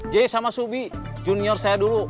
j sama subi junior saya dulu